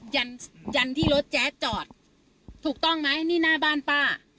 ยันยันที่รถแจ๊ดจอดถูกต้องไหมนี่หน้าบ้านป้า